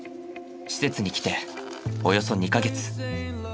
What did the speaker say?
施設に来ておよそ２か月。